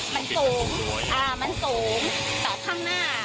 มันสูงแต่ข้างหน้าอันนี้มันเตี้ยไงมันก็จะโดดออกมา